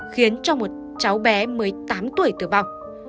khiến cho một cháu bé mới tám tuổi tử bọc